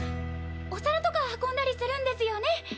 お皿とか運んだりするんですよね？